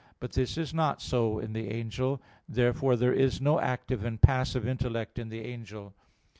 But this is not so in the angel. Therefore there is no active and passive intellect in the angel.